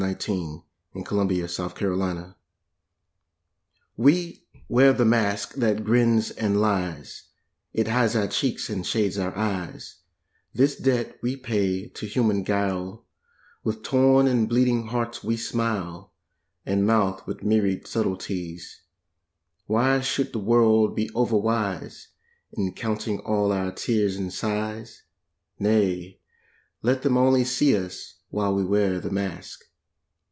Paul Laurence Dunbar We Wear the Mask WE wear the mask that grins and lies, It hides our cheeks and shades our eyes This debt we pay to human guile; With torn and bleeding hearts we smile And mouth with myriad subtleties, Why should the world be over wise, In counting all our tears and sighs? Nay, let them only see us, while We wear the mask.